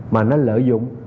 mà nó lợi dụng